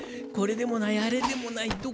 これでもないあれでもない